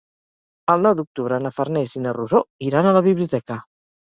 El nou d'octubre na Farners i na Rosó iran a la biblioteca.